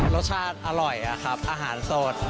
รสชาติอร่อยครับอาหารสด